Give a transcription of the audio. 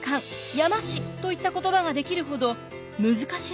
山師といった言葉が出来るほど難しいことでした。